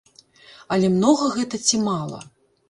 Але многа гэта ці мала?